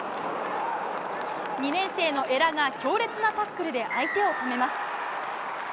２年生の江良が強烈なタックルで相手を止めます。